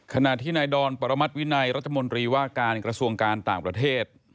ขณะที่นายดอนปรมัติวินัยรัฐมนตรีว่าการกระทรวงการต่างประเทศ